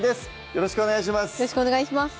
よろしくお願いします